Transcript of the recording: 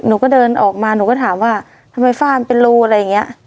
หนูก็เดินออกมาหนูก็ถามว่าทำไมฝ้านเป็นรูอะไรอย่างนี้